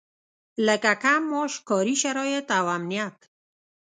لکه کم معاش، کاري شرايط او امنيت.